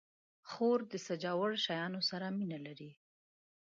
خور د سجاوړ شیانو سره مینه لري.